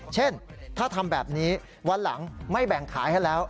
เช่นถ้าทำแบบนี้วันหลังไม่แบ่งขายให้แล้ว